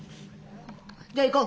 「じゃあ行こう！」。